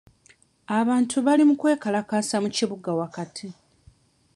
Abantu bali mu kwekalakaasa mu kibuga wakati.